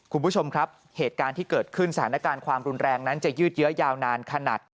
คุณผู้ชมครับเหตุการณ์ที่เกิดขึ้นสถานการณ์ความรุนแรงนั้นจะยืดเยอะยาวนานขนาด